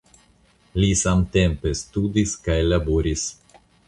Li samtempe studis kaj laboris.